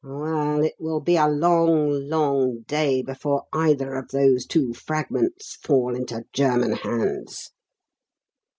Well, it will be a long, long day before either of those two fragments fall into German hands."